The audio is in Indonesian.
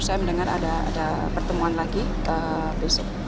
saya mendengar ada pertemuan lagi besok